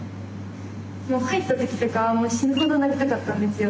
もう入った時とかは死ぬほどなりたかったんですよ。